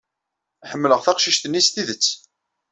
Ḥemmleɣ taqcict-nni s tidet.